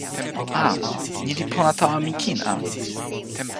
a, ni li pona tawa mi kin a.